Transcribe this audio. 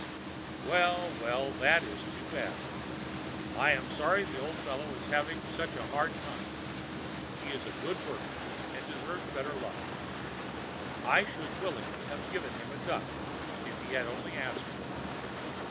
"Well, well, that is too bad! I am sorry the old fellow is having such a hard time. He is a good worker and deserves better luck. I should willingly have given him the duck if he had only asked for it.